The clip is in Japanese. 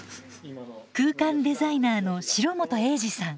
空間デザイナーの城本栄治さん。